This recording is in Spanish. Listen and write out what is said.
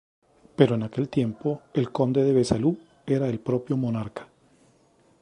Pero en aquel tiempo, el conde de Besalú era el propio monarca.